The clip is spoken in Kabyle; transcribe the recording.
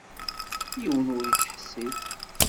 Yiwen ur ittḥessis.